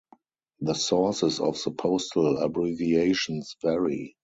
The sources of the postal abbreviations vary.